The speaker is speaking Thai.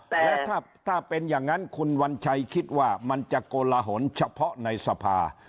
และถ้าเป็นอย่างนั้นคุณวัญชัยคิดว่ามันจะโกลหนเฉพาะในสภา